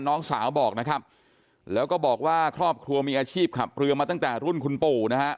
น้องสาวบอกนะครับแล้วก็บอกว่าครอบครัวมีอาชีพขับเรือมาตั้งแต่รุ่นคุณปู่นะฮะ